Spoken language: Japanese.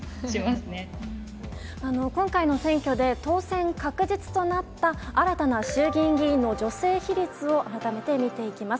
今回の選挙で、当選確実となった新たな衆議院議員の女性比率を改めて見ていきます。